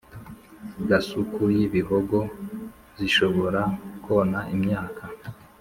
Gasuku y ibihogo Zishobora kona imyaka